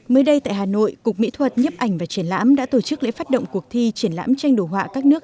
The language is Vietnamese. mới đây tại hà nội cục mỹ thuật nhấp ảnh và triển lãm đã tổ chức lễ phát động cuộc thi triển lãm tranh đồ họa các nước